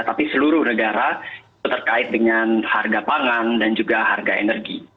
tapi seluruh negara itu terkait dengan harga pangan dan juga harga energi